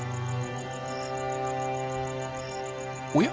おや？